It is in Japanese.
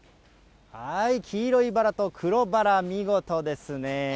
黄色いバラと黒バラ、見事ですね。